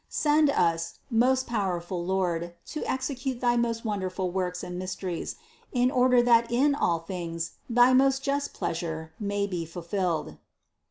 Send us, most powerful Lord, to execute thy most wonderful works and mysteries, in order that in all things thy most just pleasure may be fulfilled."